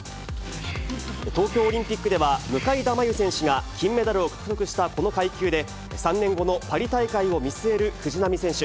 東京オリンピックでは、向田真優選手が金メダルを獲得したこの階級で、３年後のパリ大会を見据える藤波選手。